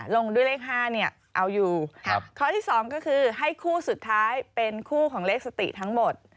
ลงด้วยเลข๕เนี่ยเอาอยู่ข้อที่๒ก็คือให้คู่สุดท้ายเป็นคู่ของเลขสติทั้งหมด